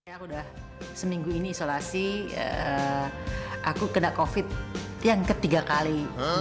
aku udah seminggu ini isolasi aku kena covid yang ketiga kali